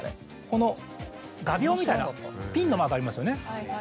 この画びょうみたいなピンのマークありますよね。